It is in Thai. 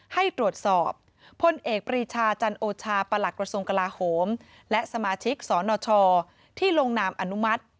ให้ตรวจสอบพลเอกปรีชาจันโอชาประหลักกระทรวงกลาโหมและสมาชิกสนชที่ลงนามอนุมัติ